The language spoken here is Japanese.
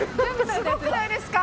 すごくないですか？